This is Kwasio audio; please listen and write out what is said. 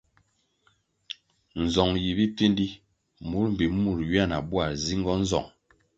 Nzong yi bipfindi, mur mbpi mur ywia na bwar nzingo nzong.